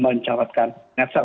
dan mencatatkan netsel